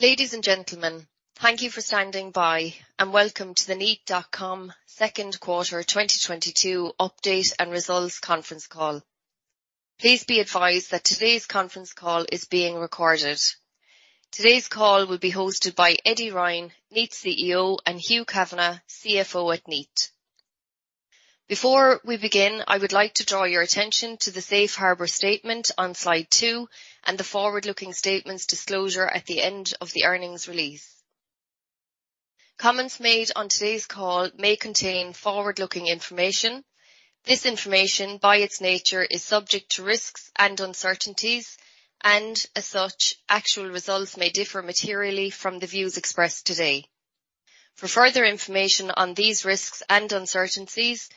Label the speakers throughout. Speaker 1: Ladies and gentlemen, thank you for standing by, and welcome to the Kneat.com Q2 2022 update and results conference call. Please be advised that today's conference call is being recorded. Today's call will be hosted by Edmund Ryan, Kneat CEO, and Hugh Kavanagh, CFO at Kneat. Before we begin, I would like to draw your attention to the safe harbor statement on slide two and the forward-looking statements disclosure at the end of the earnings release. Comments made on today's call may contain forward-looking information. This information, by its nature, is subject to risks and uncertainties and, as such, actual results may differ materially from the views expressed today. For further information on these risks and uncertainties,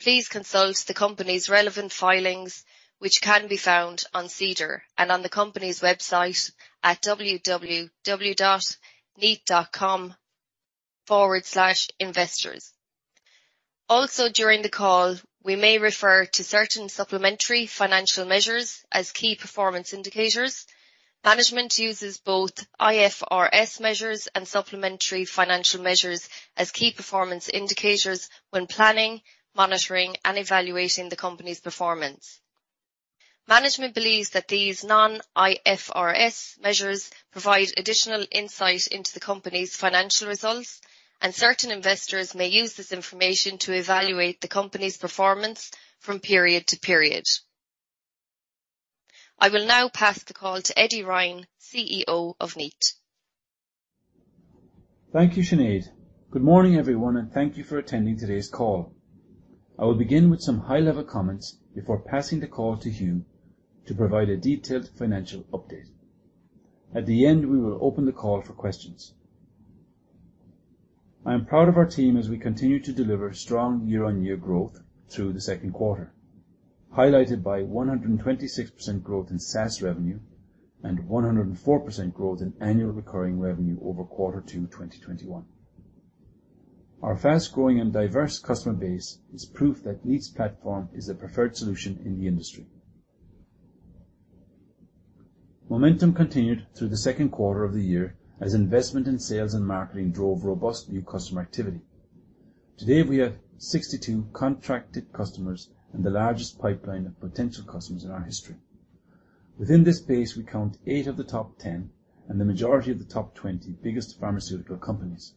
Speaker 1: please consult the company's relevant filings, which can be found on SEDAR and on the company's website at www.kneat.com/investors. Also, during the call, we may refer to certain supplementary financial measures as key performance indicators. Management uses both IFRS measures and supplementary financial measures as key performance indicators when planning, monitoring, and evaluating the company's performance. Management believes that these non-IFRS measures provide additional insight into the company's financial results, and certain investors may use this information to evaluate the company's performance from period to period. I will now pass the call to Edmund Ryan, CEO of Kneat.
Speaker 2: Thank you, Sinead. Good morning, everyone, and thank you for attending today's call. I will begin with some high-level comments before passing the call to Hugh to provide a detailed financial update. At the end, we will open the call for questions. I am proud of our team as we continue to deliver strong year-on-year growth through the Q2, highlighted by 126% growth in SaaS revenue and 104% growth in annual recurring revenue over Q2, 2021. Our fast-growing and diverse customer base is proof that Kneat's platform is a preferred solution in the industry. Momentum continued through the Q2 of the year as investment in sales and marketing drove robust new customer activity. Today, we have 62 contracted customers and the largest pipeline of potential customers in our history. Within this base, we count eight of the top ten and the majority of the top twenty biggest pharmaceutical companies.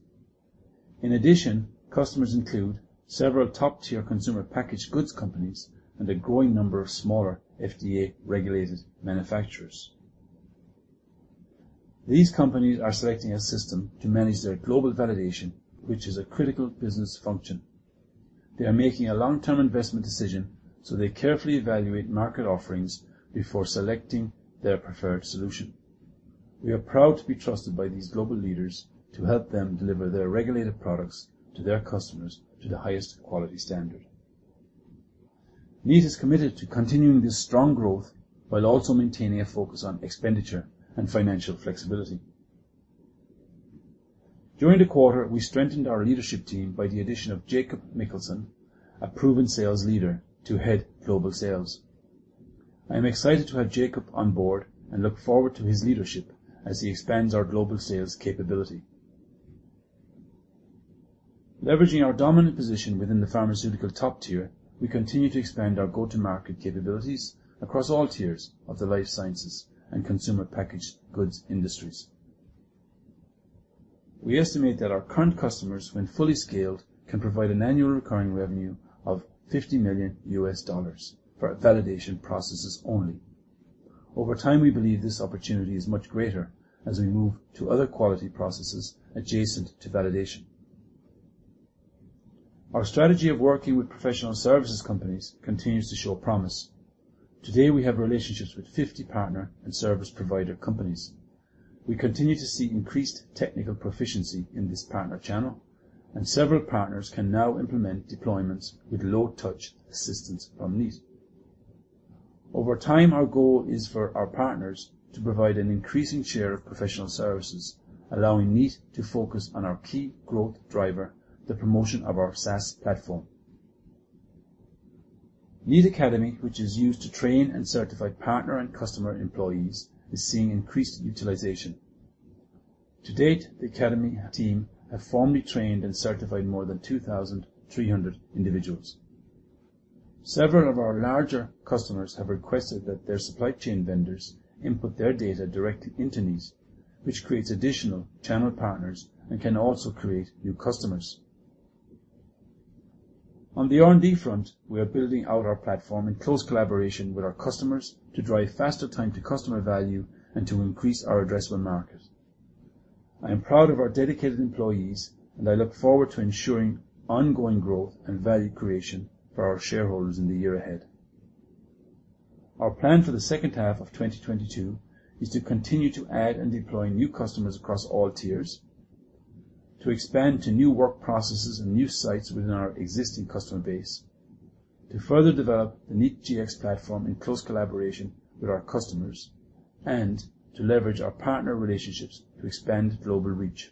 Speaker 2: In addition, customers include several top-tier consumer packaged goods companies and a growing number of smaller FDA-regulated manufacturers. These companies are selecting a system to manage their global validation, which is a critical business function. They are making a long-term investment decision, so they carefully evaluate market offerings before selecting their preferred solution. We are proud to be trusted by these global leaders to help them deliver their regulated products to their customers to the highest quality standard. Kneat is committed to continuing this strong growth while also maintaining a focus on expenditure and financial flexibility. During the quarter, we strengthened our leadership team by the addition of Jacob Michelsen, a proven sales leader, to head global sales. I am excited to have Jacob on board and look forward to his leadership as he expands our global sales capability. Leveraging our dominant position within the pharmaceutical top tier, we continue to expand our go-to-market capabilities across all tiers of the life sciences and consumer packaged goods industries. We estimate that our current customers, when fully scaled, can provide an annual recurring revenue of $50 million for our validation processes only. Over time, we believe this opportunity is much greater as we move to other quality processes adjacent to validation. Our strategy of working with professional services companies continues to show promise. Today, we have relationships with 50 partner and service provider companies. We continue to see increased technical proficiency in this partner channel, and several partners can now implement deployments with low touch assistance from Kneat. Over time, our goal is for our partners to provide an increasing share of professional services, allowing Kneat to focus on our key growth driver, the promotion of our SaaS platform. Kneat Academy, which is used to train and certify partner and customer employees, is seeing increased utilization. To date, the academy team have formally trained and certified more than 2,300 individuals. Several of our larger customers have requested that their supply chain vendors input their data directly into Kneat, which creates additional channel partners and can also create new customers. On the R&D front, we are building out our platform in close collaboration with our customers to drive faster time to customer value and to increase our addressable market. I am proud of our dedicated employees, and I look forward to ensuring ongoing growth and value creation for our shareholders in the year ahead. Our plan for the H2 of 2022 is to continue to add and deploy new customers across all tiers, to expand to new work processes and new sites within our existing customer base, to further develop the Kneat Gx platform in close collaboration with our customers, and to leverage our partner relationships to expand global reach.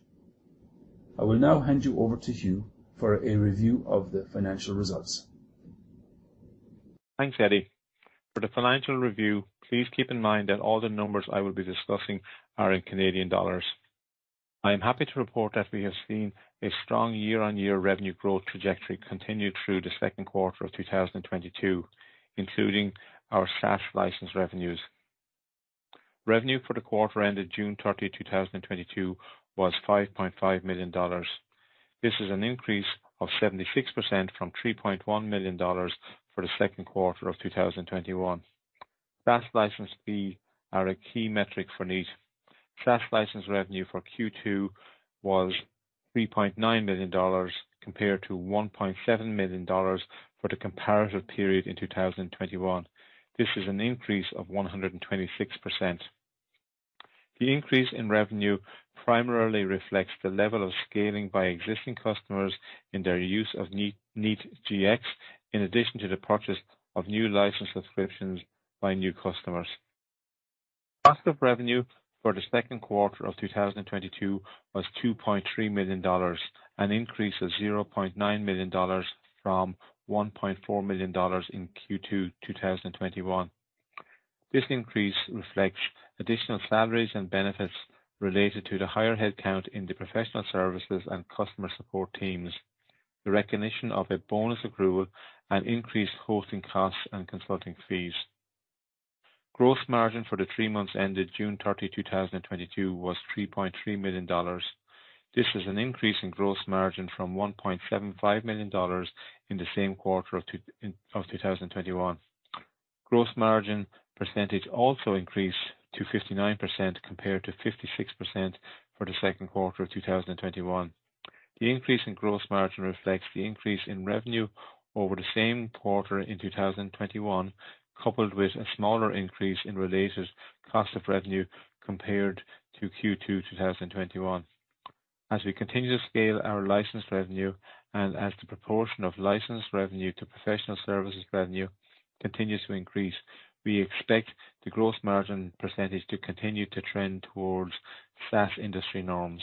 Speaker 2: I will now hand you over to Hugh for a review of the financial results.
Speaker 3: Thanks, Eddie. For the financial review, please keep in mind that all the numbers I will be discussing are in Canadian dollars. I am happy to report that we have seen a strong year-on-year revenue growth trajectory continued through the Q2 of 2022, including our SaaS license revenues. Revenue for the quarter ended June 30, 2022 was 5.5 million dollars. This is an increase of 76% from 3.1 million dollars for the Q2 of 2021. SaaS license fees are a key metric for Kneat. SaaS license revenue for Q2 was 3.9 million dollars compared to 1.7 million dollars for the comparative period in 2021. This is an increase of 126%. The increase in revenue primarily reflects the level of scaling by existing customers in their use of Kneat Gx, in addition to the purchase of new license subscriptions by new customers. Cost of revenue for the Q2 of 2022 was 2.3 million dollars, an increase of 0.9 million dollars from 1.4 million dollars in Q2 2021. This increase reflects additional salaries and benefits related to the higher headcount in the professional services and customer support teams, the recognition of a bonus accrual and increased hosting costs and consulting fees. Gross margin for the three months ended June 30, 2022 was 3.3 million dollars. This is an increase in gross margin from 1.75 million dollars in the same quarter of 2021. Gross margin percentage also increased to 59% compared to 56% for the Q2 of 2021. The increase in gross margin reflects the increase in revenue over the same quarter in 2021, coupled with a smaller increase in related cost of revenue compared to Q2 2021. As we continue to scale our license revenue and as the proportion of license revenue to professional services revenue continues to increase, we expect the gross margin percentage to continue to trend towards SaaS industry norms.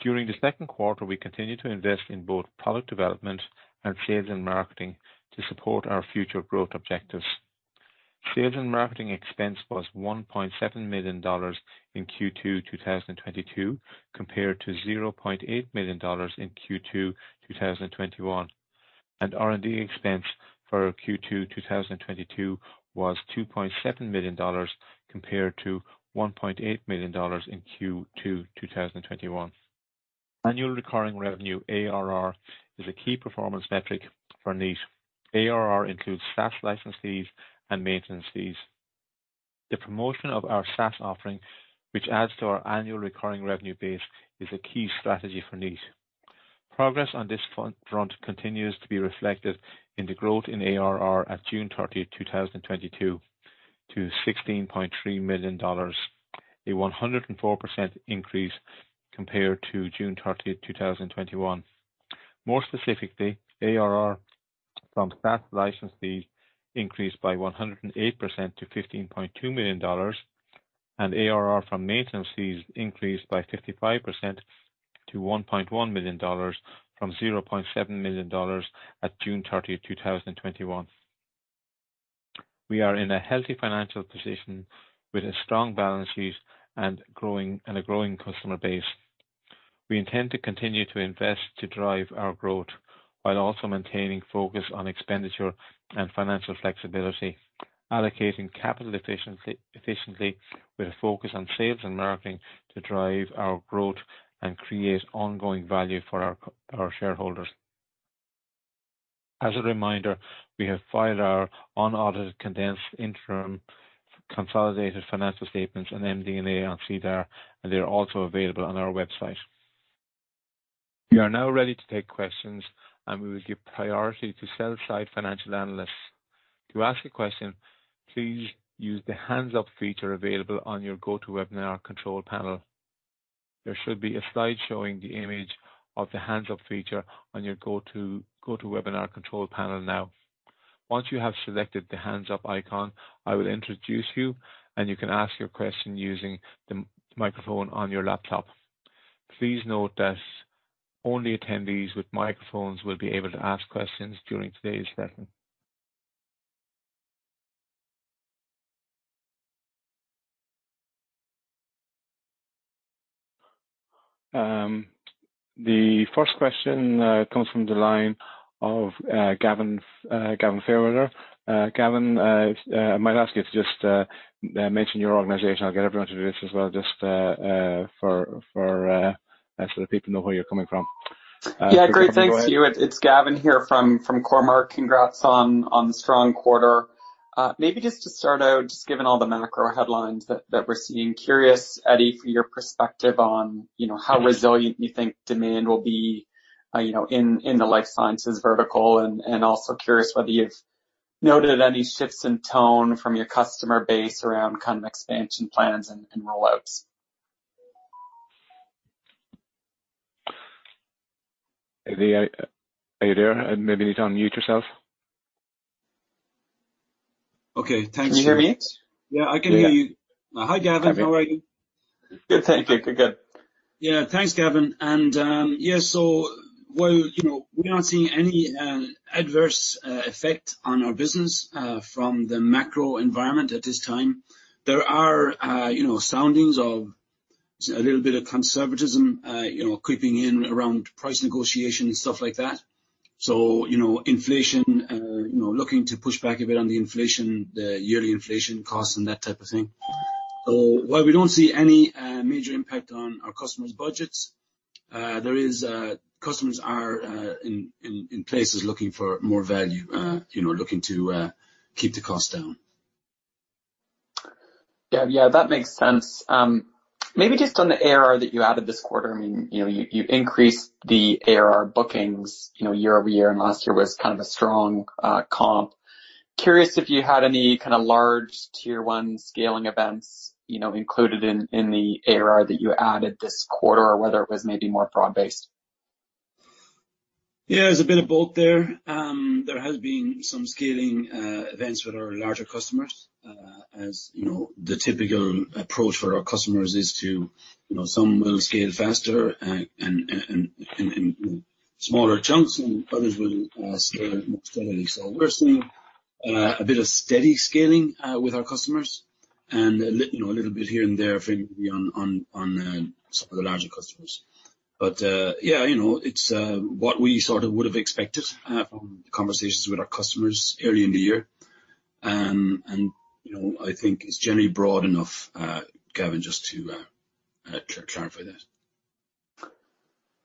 Speaker 3: During the Q2, we continued to invest in both product development and sales and marketing to support our future growth objectives. Sales and marketing expense was 1.7 million dollars in Q2 2022, compared to 0.8 million dollars in Q2 2021. R&D expense for Q2 2022 was 2.7 million dollars compared to 1.8 million dollars in Q2 2021. Annual recurring revenue, ARR, is a key performance metric for Kneat. ARR includes SaaS license fees and maintenance fees. The promotion of our SaaS offering, which adds to our annual recurring revenue base, is a key strategy for Kneat. Progress on this front continues to be reflected in the growth in ARR at June 30, 2022 to CAD 16.3 million, a 104% increase compared to June 30, 2021. More specifically, ARR from SaaS license fees increased by 108% to 15.2 million dollars, and ARR from maintenance fees increased by 55% to 1.1 million dollars from 0.7 million dollars at June 30, 2021. We are in a healthy financial position with a strong balance sheet and growing, and a growing customer base. We intend to continue to invest to drive our growth while also maintaining focus on expenditure and financial flexibility, allocating capital efficiently with a focus on sales and marketing to drive our growth and create ongoing value for our shareholders. As a reminder, we have filed our unaudited condensed interim consolidated financial statements and MD&A on SEDAR, and they are also available on our website. We are now ready to take questions, and we will give priority to sell-side financial analysts. To ask a question, please use the hands-up feature available on your GoToWebinar control panel. There should be a slide showing the image of the hands-up feature on your GoToWebinar control panel now. Once you have selected the hands-up icon, I will introduce you, and you can ask your question using the microphone on your laptop. Please note that only attendees with microphones will be able to ask questions during today's session. The first question comes from the line of Gavin Fairweather. Gavin, I might ask you to just mention your organization. I'll get everyone to do this as well, just so that people know where you're coming from.
Speaker 4: Yeah. Great. Thanks to you. It's Gavin here from Cormark. Congrats on the strong quarter. Maybe just to start out, just given all the macro headlines that we're seeing, curious, Eddie, for your perspective on, you know, how resilient you think demand will be, you know, in the life sciences vertical and also curious whether you've noted any shifts in tone from your customer base around kind of expansion plans and roll-outs.
Speaker 3: Eddie, are you there? Maybe you need to unmute yourself.
Speaker 2: Okay. Thanks.
Speaker 4: Can you hear me?
Speaker 2: Yeah, I can hear you. Hi, Gavin. How are you?
Speaker 4: Good, thank you. Good, good.
Speaker 2: Yeah. Thanks, Gavin. While, you know, we're not seeing any adverse effect on our business from the macro environment at this time, there are, you know, soundings of a little bit of conservatism, you know, creeping in around price negotiation and stuff like that. You know, inflation, you know, looking to push back a bit on the inflation, the yearly inflation costs and that type of thing. While we don't see any major impact on our customers' budgets, there is, customers are in places looking for more value, you know, looking to keep the cost down.
Speaker 4: Yeah, yeah, that makes sense. Maybe just on the ARR that you added this quarter, I mean, you know, you increased the ARR bookings, you know, year-over-year, and last year was kind of a strong comp. Curious if you had any kind of large tier one scaling events, you know, included in the ARR that you added this quarter or whether it was maybe more broad-based.
Speaker 2: Yeah. There's a bit of both there. There has been some scaling events with our larger customers, as you know, the typical approach for our customers is to, you know, some will scale faster and in smaller chunks, and others will scale more steadily. We're seeing a bit of steady scaling with our customers and a little bit here and there, you know, on some of the larger customers. Yeah, you know, it's what we sort of would have expected from conversations with our customers early in the year. You know, I think it's generally broad enough, Gavin, just to clarify that.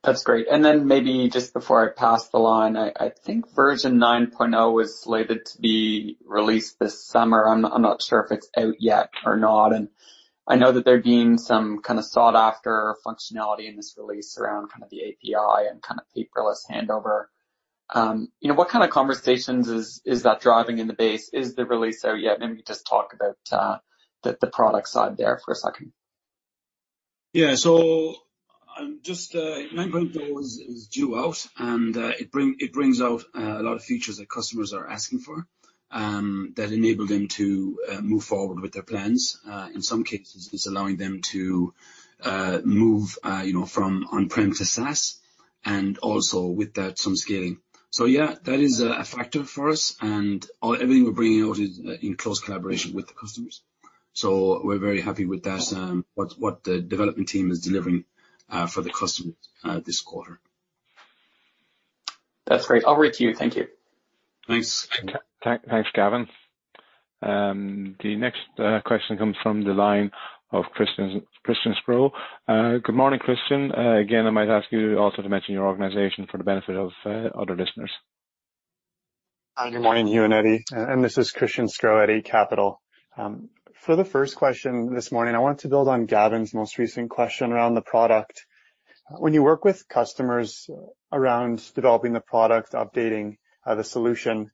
Speaker 4: That's great. Then maybe just before I pass the line, I think version nine point zero was slated to be released this summer. I'm not sure if it's out yet or not, and I know that there have been some kind of sought-after functionality in this release around kind of the API and kind of paperless handover. You know, what kind of conversations is that driving in the base? Is the release out yet? Maybe just talk about the product side there for a second.
Speaker 2: Yeah. Just 9.0 is due out, and it brings out a lot of features that customers are asking for, that enable them to move forward with their plans. In some cases, it's allowing them to move you know from on-prem to SaaS and also with that, some scaling. Yeah, that is a factor for us, and everything we're bringing out is in close collaboration with the customers. We're very happy with that, what the development team is delivering for the customers this quarter.
Speaker 4: That's great. Over to you. Thank you.
Speaker 2: Thanks.
Speaker 3: Thanks, Gavin. The next question comes from the line of Christian Sgro. Good morning, Christian. Again, I might ask you also to mention your organization for the benefit of other listeners.
Speaker 5: Hi, good morning, Hugh and Eddie, and this is Christian Sgro at Eight Capital. For the first question this morning, I want to build on Gavin's most recent question around the product. When you work with customers around developing the product, updating the solution,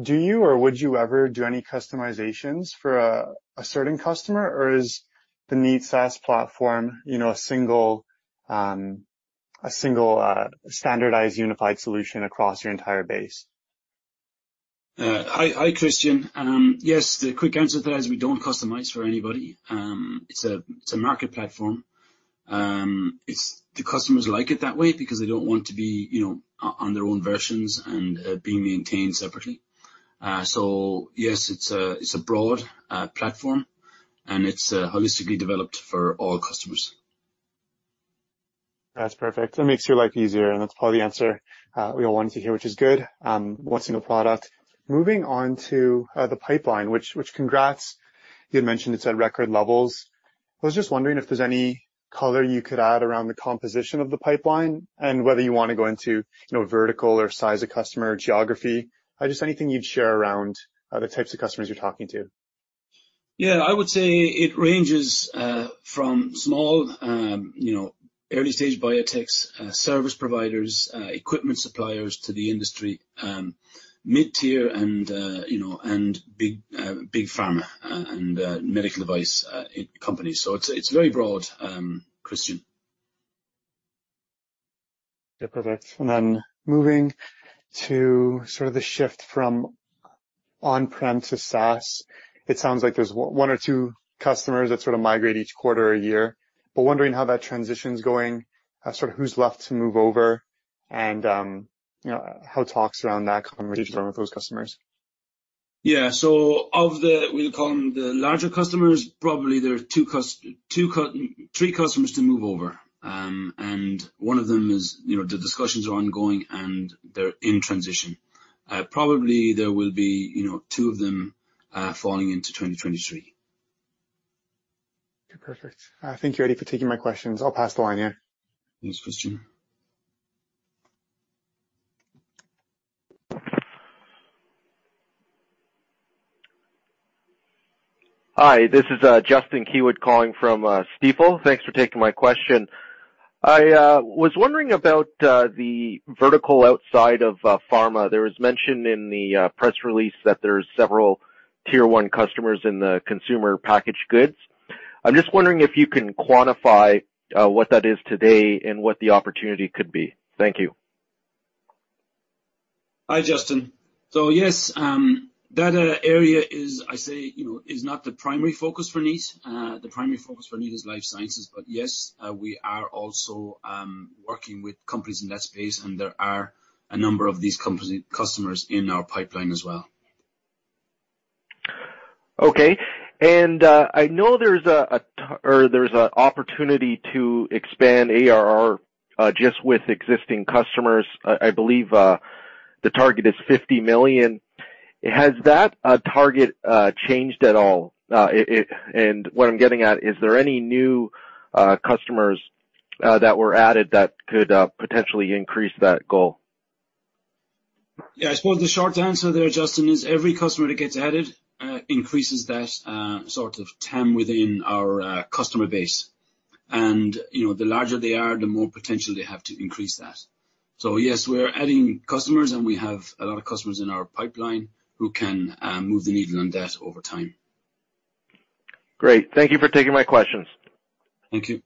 Speaker 5: do you or would you ever do any customizations for a certain customer, or is the Kneat SaaS platform, you know, a single standardized unified solution across your entire base?
Speaker 2: Hi, Christian. Yes, the quick answer to that is we don't customize for anybody. It's a market platform. The customers like it that way because they don't want to be, you know, on their own versions and being maintained separately. Yes, it's a broad platform, and it's holistically developed for all customers.
Speaker 5: That's perfect. That makes your life easier, and that's probably the answer we all wanted to hear, which is good on what's in the product. Moving on to the pipeline, which congrats, you had mentioned it's at record levels. I was just wondering if there's any color you could add around the composition of the pipeline and whether you wanna go into, you know, vertical or size of customer, geography. Just anything you'd share around the types of customers you're talking to.
Speaker 2: Yeah. I would say it ranges from small, you know, early-stage biotechs, service providers, equipment suppliers to the industry, mid-tier and, you know, and big pharma and medical device companies. So it's very broad, Christian.
Speaker 5: Yeah. Perfect. Then moving to sort of the shift from on-prem to SaaS, it sounds like there's one or two customers that sort of migrate each quarter a year. Wondering how that transition's going, sort of who's left to move over and, you know, how talks around that conversation are with those customers.
Speaker 2: Yeah. Of the, we'll call them, the larger customers, probably there are three customers to move over. One of them is, you know, the discussions are ongoing, and they're in transition. Probably there will be, you know, two of them falling into 2023.
Speaker 5: Okay. Perfect. Thank you, Eddie, for taking my questions. I'll pass the line, yeah.
Speaker 2: Thanks, Christian.
Speaker 6: Hi, this is Justin Keywood calling from Stifel. Thanks for taking my question. I was wondering about the vertical outside of pharma. There was mention in the press release that there's several tier one customers in the consumer packaged goods. I'm just wondering if you can quantify what that is today and what the opportunity could be. Thank you.
Speaker 2: Hi, Justin. Yes, that area is not the primary focus for Kneat. The primary focus for Kneat is life sciences. Yes, we are also working with companies in that space, and there are a number of these customers in our pipeline as well.
Speaker 6: Okay. I know there's an opportunity to expand ARR just with existing customers. I believe the target is 50 million. Has that target changed at all? What I'm getting at is there any new customers that were added that could potentially increase that goal?
Speaker 2: Yeah. I suppose the short answer there, Justin, is every customer that gets added increases that sort of TAM within our customer base. You know, the larger they are, the more potential they have to increase that. Yes, we're adding customers, and we have a lot of customers in our pipeline who can move the needle on that over time.
Speaker 6: Great. Thank you for taking my questions.
Speaker 2: Thank you.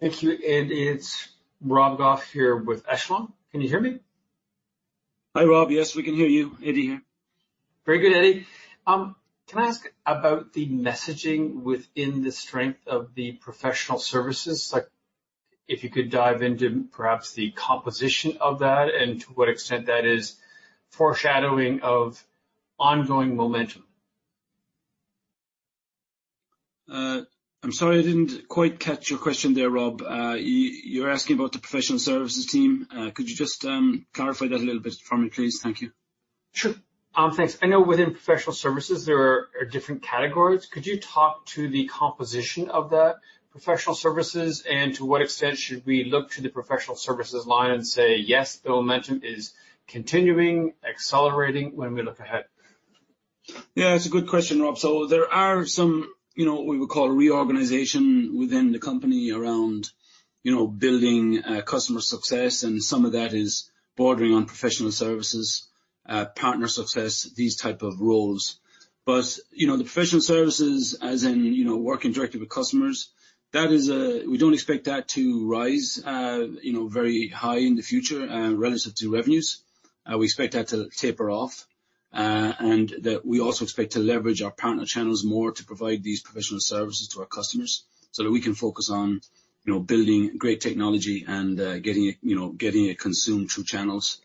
Speaker 7: Thank you. It's Rob Goff here with Echelon. Can you hear me?
Speaker 2: Hi, Rob. Yes, we can hear you. Eddie here.
Speaker 7: Very good, Eddie. Can I ask about the messaging within the strength of the professional services? Like, if you could dive into perhaps the composition of that and to what extent that is foreshadowing of ongoing momentum.
Speaker 2: I'm sorry, I didn't quite catch your question there, Rob. You're asking about the professional services team? Could you just clarify that a little bit for me, please? Thank you.
Speaker 7: Sure. Thanks. I know within professional services, there are different categories. Could you talk to the composition of the professional services? To what extent should we look to the professional services line and say, "Yes, the momentum is continuing, accelerating when we look ahead?
Speaker 2: Yeah, it's a good question, Rob. There are some, you know, what we would call reorganization within the company around, you know, building, customer success, and some of that is bordering on professional services, partner success, these type of roles. You know, the professional services as in, you know, working directly with customers, that is, we don't expect that to rise, you know, very high in the future, relative to revenues. We expect that to taper off, and that we also expect to leverage our partner channels more to provide these professional services to our customers so that we can focus on, you know, building great technology and, getting it, you know, getting it consumed through channels,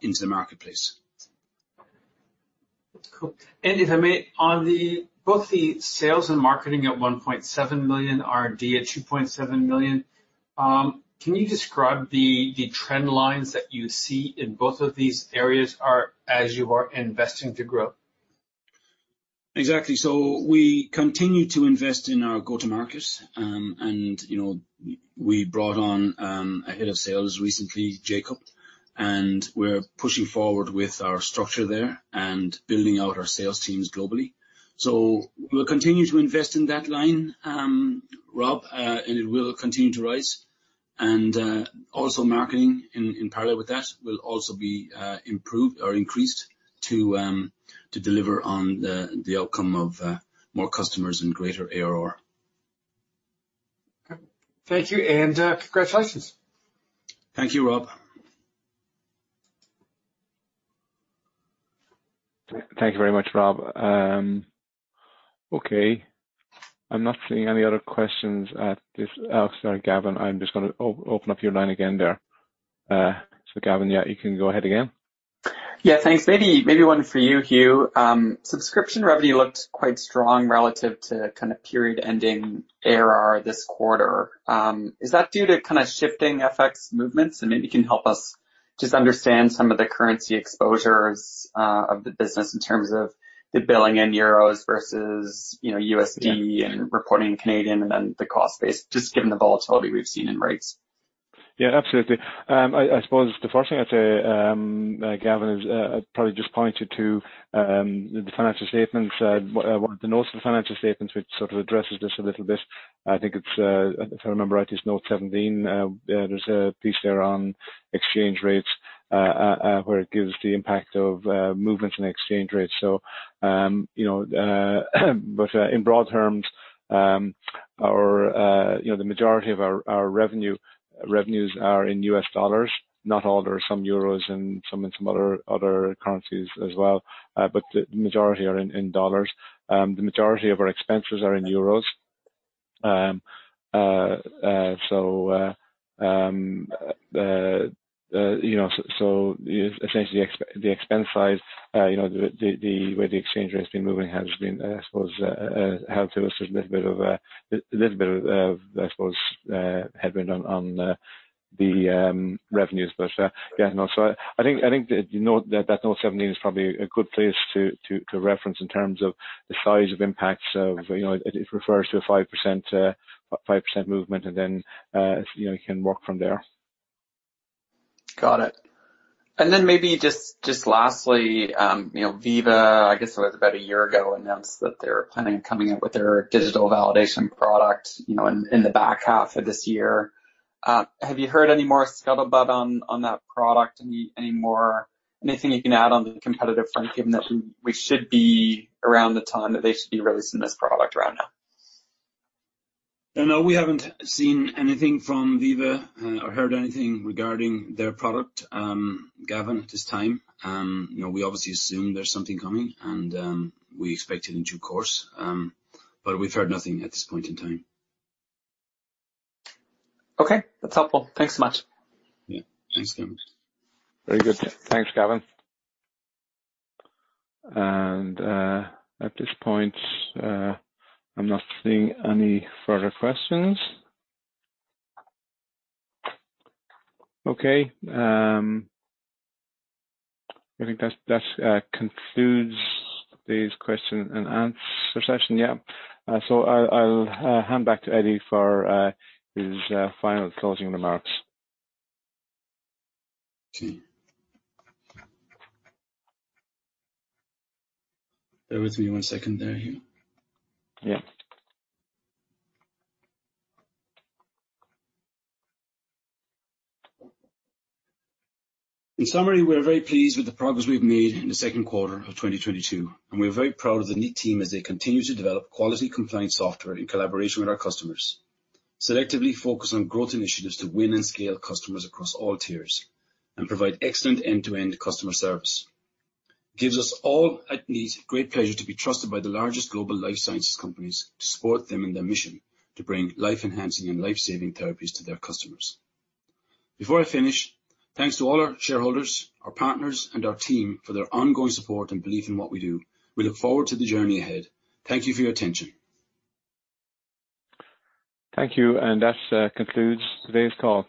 Speaker 2: into the marketplace.
Speaker 7: Cool. If I may, on both the sales and marketing at 1.7 million, R&D at 2.7 million, can you describe the trend lines that you see in both of these areas as you are investing to grow?
Speaker 2: Exactly. We continue to invest in our go-to-markets. You know, we brought on a head of sales recently, Jacob, and we're pushing forward with our structure there and building out our sales teams globally. We'll continue to invest in that line, Rob, and it will continue to rise. Also marketing in parallel with that will also be improved or increased to deliver on the outcome of more customers and greater ARR.
Speaker 7: Okay. Thank you, and, congratulations.
Speaker 2: Thank you, Rob.
Speaker 3: Thank you very much, Rob. Okay. I'm not seeing any other questions at this. Oh, sorry, Gavin. I'm just gonna open up your line again there. Gavin, yeah, you can go ahead again.
Speaker 4: Yeah, thanks. Maybe one for you, Hugh. Subscription revenue looked quite strong relative to kind of period-ending ARR this quarter. Is that due to kind of shifting FX movements? Maybe you can help us just understand some of the currency exposures of the business in terms of the billing in euros versus USD and reporting Canadian and then the cost base, just given the volatility we've seen in rates.
Speaker 3: Yeah, absolutely. I suppose the first thing I'd say, Gavin, is I'd probably just point you to the financial statements. One of the notes in the financial statements, which sort of addresses this a little bit. I think it's, if I remember right, it's note 17. There's a piece there on exchange rates where it gives the impact of movements in exchange rates. You know, but in broad terms, you know, the majority of our revenues are in U.S. dollars. Not all. There are some euros and some in some other currencies as well. But the majority are in dollars. The majority of our expenses are in euros. Essentially, the expense side, you know, the way the exchange rate's been moving has been, I suppose, a little bit of headwind on the revenues. Yeah, no, I think that, you know, that Note 17 is probably a good place to reference in terms of the size of impacts of, you know. It refers to a 5% movement and then, you know, you can work from there.
Speaker 4: Got it. Maybe just lastly, Veeva, I guess it was about a year ago, announced that they're planning on coming out with their digital validation product, in the back half of this year. Have you heard any more scuttlebutt on that product? Anything you can add on the competitive front, given that we should be around the time that they should be releasing this product around now?
Speaker 2: No, we haven't seen anything from Veeva or heard anything regarding their product, Gavin, at this time. You know, we obviously assume there's something coming and we expect it in due course. We've heard nothing at this point in time.
Speaker 4: Okay. That's helpful. Thanks so much.
Speaker 2: Yeah. Thanks, Gavin.
Speaker 3: Very good. Thanks, Gavin. At this point, I'm not seeing any further questions. Okay, I think that concludes today's question and answer session. Yeah. I'll hand back to Eddie for his final closing remarks.
Speaker 2: Okay. Bear with me one second there, Hugh.
Speaker 3: Yeah.
Speaker 2: In summary, we're very pleased with the progress we've made in the Q2 of 2022, and we are very proud of the Kneat team as they continue to develop quality compliant software in collaboration with our customers. Selectively focus on growth initiatives to win and scale customers across all tiers and provide excellent end-to-end customer service. Gives us all at Kneat great pleasure to be trusted by the largest global life sciences companies to support them in their mission to bring life-enhancing and life-saving therapies to their customers. Before I finish, thanks to all our shareholders, our partners, and our team for their ongoing support and belief in what we do. We look forward to the journey ahead. Thank you for your attention.
Speaker 3: Thank you. That concludes today's call.